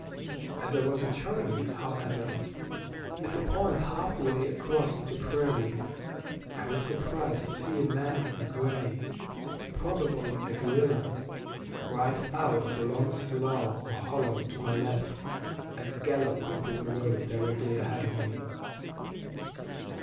As I was returning, however, at a point halfway across the prairie I was surprised to see a man in gray, probably a guerrilla, ride out of a long slough or hollow to my left and gallop into the road directly ahead of me.